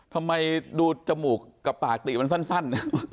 ทำไมดูจมูกกับปากติมันสั้น